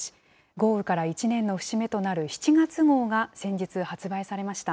豪雨から１年の節目となる７月号が、先日発売されました。